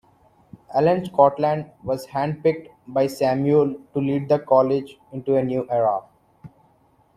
Alan Scotland was hand-picked by Samuel to lead the college into a new era.